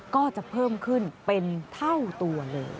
ก็จะเพิ่มขึ้นเป็นเท่าตัวเลย